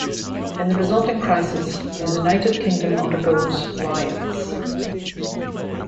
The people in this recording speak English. In the resulting crisis, the United Kingdom undergoes riots.